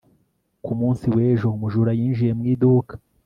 ku munsi w'ejo, umujura yinjiye mu iduka